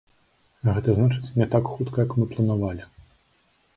Гэта значыць, не так хутка, як мы планавалі.